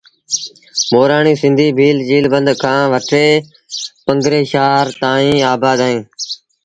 مورآڻيٚ سنڌيٚ ڀيٚل چيٚل بند کآݩ وٺي پنگري شآهر تائيٚݩ آبآد اوهيݩ